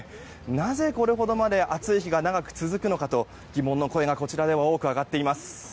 なぜこれほどまで暑い日が長く続くのかと疑問の声がこちらでは多く上がっています。